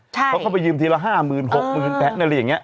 ใช่เขาก็ไปหยืมทีละห้าหมื่นหกหมื่นแผดอะไรอย่างเงี้ย